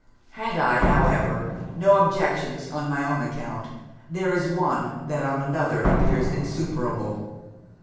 'Had I, however, no objections on my own account, there is one that on another appears insuperable.